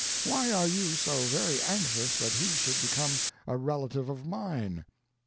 why are you so very anxious that he should become a relative of mine?